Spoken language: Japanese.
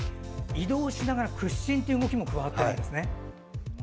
移動しながら屈伸っていう動きも加わってるんですね。